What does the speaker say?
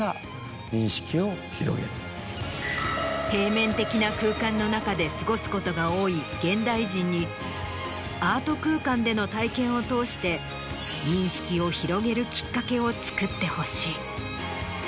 平面的な空間の中で過ごすことが多い現代人にアート空間での体験を通して認識を広げるきっかけをつくってほしい。